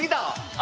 あ！